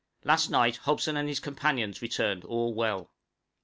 Last night Hobson and his companions returned, all well.